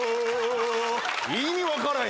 意味分からへん。